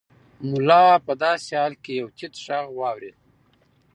ملا په داسې حال کې یو تت غږ واورېد.